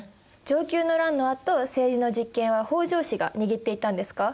承久の乱のあと政治の実権は北条氏が握っていったんですか？